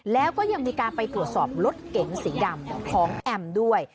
แล้วก็ยังมีการไปตรวจสอบรถเก๋งสีดำของแอมด้วย